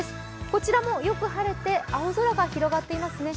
こちらもよく晴れて青空が広がっていますね。